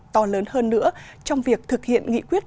to lớn hơn nữa trong việc thực hiện nghị quyết